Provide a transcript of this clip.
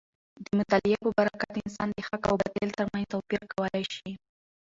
د مطالعې په برکت انسان د حق او باطل تر منځ توپیر کولی شي.